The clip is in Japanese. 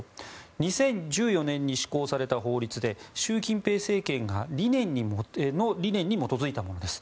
２０１４年に施行された法律で習近平政権の理念に基づいたものです。